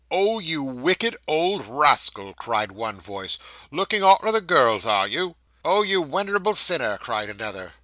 'Oh, you wicked old rascal,' cried one voice, 'looking arter the girls, are you?' 'Oh, you wenerable sinner,' cried another.